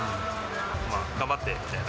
まあ、頑張ってみたいな。